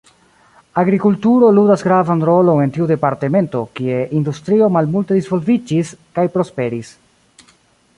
Agrikulturo ludas gravan rolon en tiu departemento, kie industrio malmulte disvolviĝis kaj prosperis.